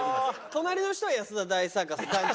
隣の人は安田大サーカスの団長？